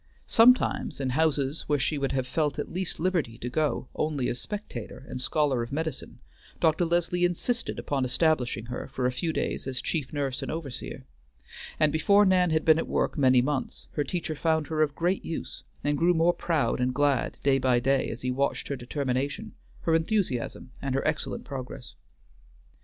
Sometimes in houses where she would have felt at least liberty to go only as spectator and scholar of medicine, Dr. Leslie insisted upon establishing her for a few days as chief nurse and overseer, and before Nan had been at work many months her teacher found her of great use, and grew more proud and glad day by day as he watched her determination, her enthusiasm, and her excellent progress.